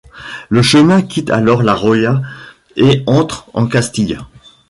Le chemin quitte alors La Rioja et entre en Castille.